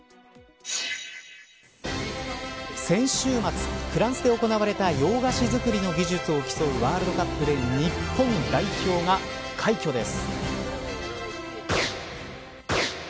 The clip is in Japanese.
先週末、フランスで行われた洋菓子づくりの技術を競うワールドカップで日本代表が快挙です。